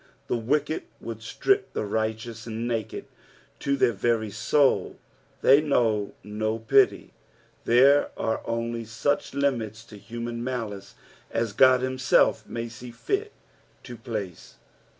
The wicked would strip the righteous naked to their very soul : they know no pity. Thero are only such limits to human niolice as God himself may aee fit to pla< e. 13.